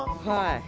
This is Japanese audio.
はい。